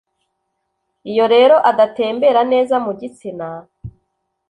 iyo rero adatembera neza mu gitsina